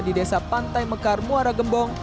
di desa pantai mekar muara gembong